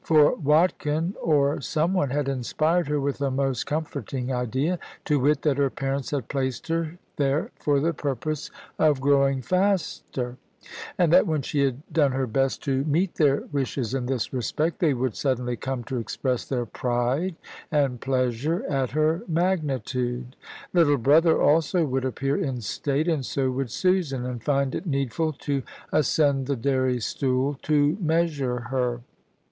For Watkin, or some one, had inspired her with a most comforting idea to wit, that her parents had placed her there for the purpose of growing faster; and that when she had done her best to meet their wishes in this respect, they would suddenly come to express their pride and pleasure at her magnitude. Little brother also would appear in state, and so would Susan, and find it needful to ascend the dairy stool to measure her.